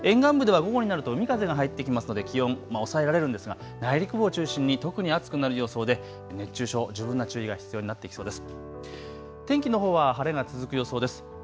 沿岸部では午後になると海風が入ってきますので気温が抑えられるんですが内陸を中心に特に暑くなる予想で熱中症、十分な注意が必要になってきそうです。